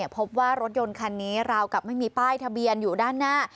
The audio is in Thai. พบว่ารถยนต์คันนี้ราวกับไม่มีป้ายทะเบียนอยู่ด้านหน้า